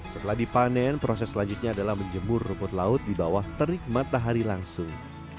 setelah dipanen proses selanjutnya adalah menjemur rumput laut di bawah terik matahari langsung